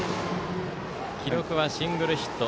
記録はシングルヒット。